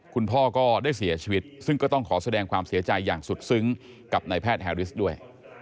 คุณพ่อก็ได้เสียชีวิตซึ่งก็ต้องขอแสดงความเสียใจอย่างสุดซึ้งกับนายแพทย์แฮริสด้วย